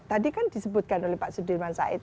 tadi kan disebutkan oleh pak sudirman said